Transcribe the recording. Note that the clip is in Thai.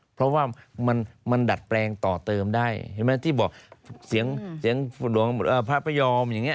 เพราะว่ามันดัดแปลงต่อเติมได้เห็นไหมที่บอกเสียงพระพยอมอย่างนี้